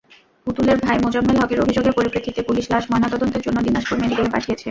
পুতুলের ভাই মোজাম্মেল হকের অভিযোগের পরিপ্রেক্ষিতে পুলিশ লাশ ময়নাতদন্তের জন্য দিনাজপুর মেডিকেলে পাঠিয়েছে।